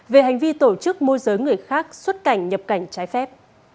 về hành vi tổ chức môi giới người khác xuất cảnh nhập cảnh trái phép